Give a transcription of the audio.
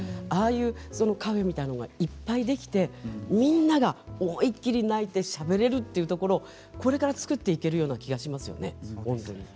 ああいうカフェみたいなものがいっぱいできてみんなが思い切り泣いてしゃべれるというところこれから作っていけるような気がしますよね。